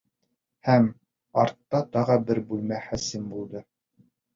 Һәм... артта тағы бер бүлмә хасил булды.